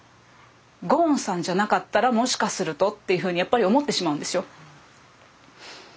ゴーンさんじゃなかったらもしかするとっていうふうにやっぱり思ってしまうんですよ。